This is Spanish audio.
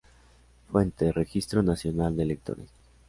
Fuente: Registro Nacional de Electores.